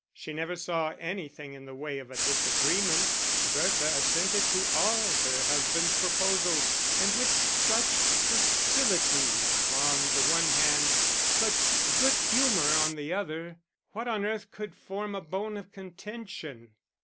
She never saw anything in the way of a disagreement, Bertha assented to all her husband's proposals; and with such docility on the one hand, such good humour on the other, what on earth could form a bone of contention?